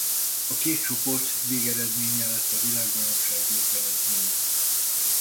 A két csoport végeredménye lett a világbajnokság végeredménye.